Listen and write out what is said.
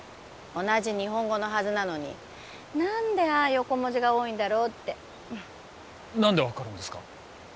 同じ日本語のはずなのに何でああ横文字が多いんだろうって何で分かるんですか？